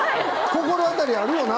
心当たりあるよな。